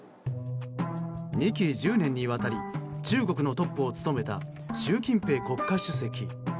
２期１０年にわたり中国のトップを務めた習近平国家主席。